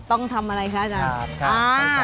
ต้องทำอะไรคะอาจารย์